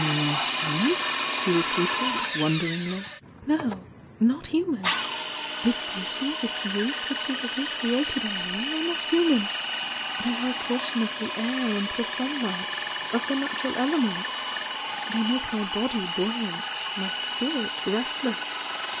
,., "Not human? " he repeated, wondemgly. "No— not human ! This beauty, this youth yfYadi you have recreated in me, are not human! Ihey kre a portion of the air and the sunhghtr of the naturafelements they make my body buoyant, my spirit restless.